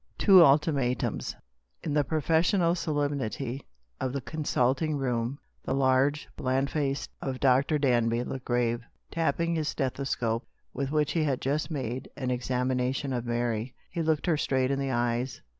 TWO ULTIMATUMS. In the professional solemnity of the con suiting room, the large, fat face of Dr. Danby looked grave. Tapping his stethoscope, with which he had just made an examination of Mary, he looked her straight in the eyes.